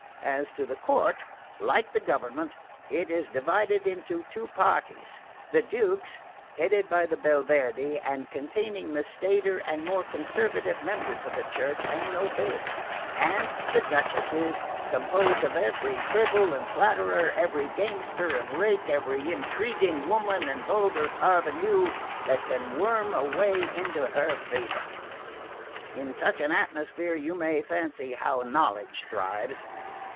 As to the court, like the government, it is divided into two parties: the Duke's, headed by the Belverde, and containing the staider and more conservative members of the Church and nobility; and the Duchess's, composed of every fribble and flatterer, every gamester and rake, every intriguing woman and vulgar parvenu that can worm a way into her favour. In such an atmosphere you may fancy how knowledge thrives.